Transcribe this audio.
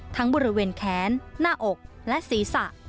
บริเวณแขนหน้าอกและศีรษะ